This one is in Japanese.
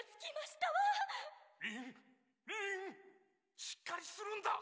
しっかりするんだ！